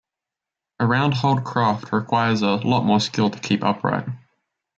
A round-hulled craft requires a lot more skill to keep upright.